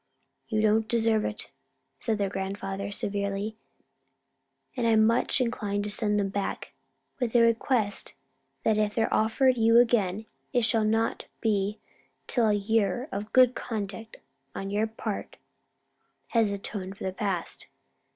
"You don't deserve it," said their grandfather, severely, "and I'm much inclined to send them back, with a request that if they're offered you again it shall not be till a year of good conduct on your part has atoned for the past."